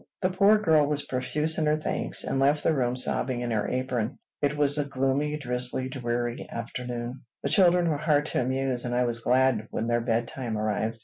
The poor girl was profuse in her thanks, and left the room sobbing in her apron. It was a gloomy, drizzly, dreary afternoon. The children were hard to amuse, and I was glad when their bedtime arrived.